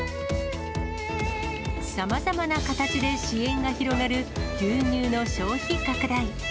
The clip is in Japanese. さまざまな形で支援が広がる、牛乳の消費拡大。